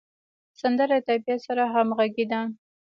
سندره د طبیعت سره همغږې ده